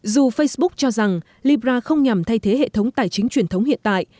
dù facebook cho rằng libra không nhằm thay thế hệ thống tài chính truyền thống hiện tại